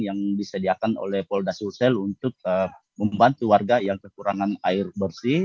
yang disediakan oleh polda sulsel untuk membantu warga yang kekurangan air bersih